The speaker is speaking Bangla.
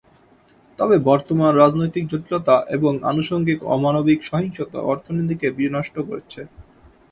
তবে, বর্তমান রাজনৈতিক জটিলতা এবং আনুষঙ্গিক অমানবিক সহিংসতা অর্থনীতিকে বিনষ্ট করছে।